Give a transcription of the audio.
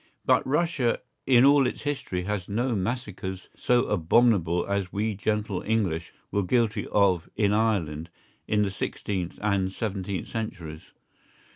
But Russia in all its history has no massacres so abominable as we gentle English were guilty of in Ireland in the sixteenth and seventeenth centuries.